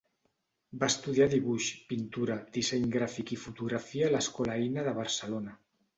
Va estudiar dibuix, pintura, disseny gràfic i fotografia a l'escola Eina de Barcelona.